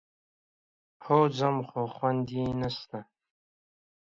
هو ځم، خو خوند يې نشته.